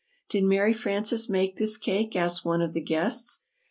"Did Mary Frances make this cake?" asked one of the guests.